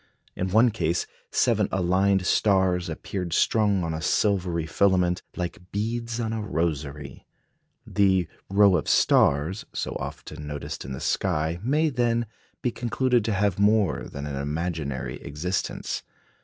In one case seven aligned stars appeared strung on a silvery filament, "like beads on a rosary." The "rows of stars," so often noticed in the sky, may, then, be concluded to have more than an imaginary existence.